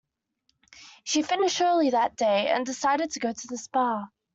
She finished early that day, and decided to go to the spa.